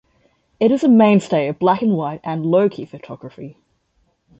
It is a mainstay of black and white and low key photography.